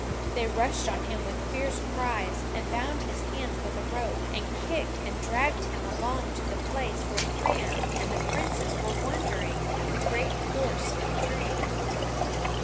They rushed on him with fierce cries, and bound his hands with a rope, and kicked and dragged him along to the place where Priam and the princes were wondering at the great horse of tree.